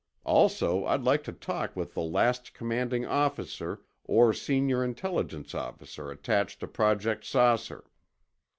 "Also, I'd like to talk with the last commanding officer or senior Intelligence officer attached to Project 'Saucer.